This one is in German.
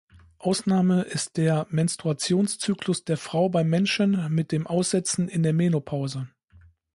Ausnahme ist der Menstruationszyklus der Frau beim Menschen mit dem Aussetzen in der Menopause.